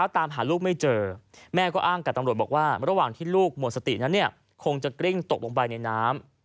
ตำรวจบอกว่าระหว่างที่ลูกหมดสตินั้นเนี่ยคงจะกริ้งตกลงไปในน้ำ